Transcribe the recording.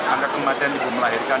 angka kematian ibu melahirkan